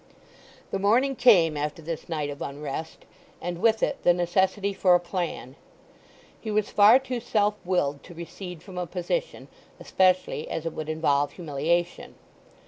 The morning came after this night of unrest, and with it the necessity for a plan. He was far too self willed to recede from a position, especially as it would involve humiliation.